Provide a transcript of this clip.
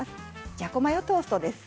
じゃこマヨトーストです。